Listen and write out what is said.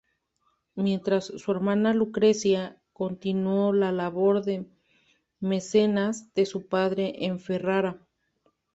Mientras, su hermana Lucrecia continuó la labor de mecenas de su padre en Ferrara.